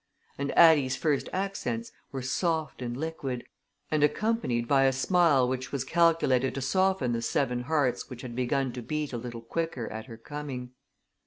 And Addie's first accents were soft and liquid and accompanied by a smile which was calculated to soften the seven hearts which had begun to beat a little quicker at her coming.